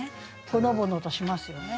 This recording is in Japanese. ほのぼのとしますよね。